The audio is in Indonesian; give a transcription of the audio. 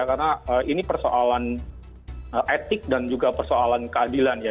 karena ini persoalan etik dan juga persoalan keadilan ya